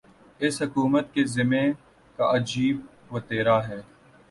اس حکومت کے زعما کا عجیب وتیرہ ہے۔